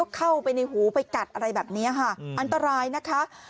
เข้าไปในหูไปกัดอะไรแบบนี้ค่ะอันตรายนะคะ